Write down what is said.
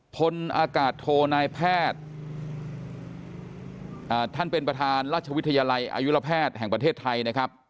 พลอากาศโทนายแพทย์ท่านเป็นประธานราชวิทยาลัยอายุรแพทย์แห่งประเทศไทยนะครับ